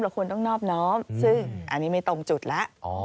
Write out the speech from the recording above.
ควรต้องนอบน้อมซึ่งอันนี้ไม่ตรงจุดแล้ว